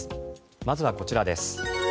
まずはこちらです。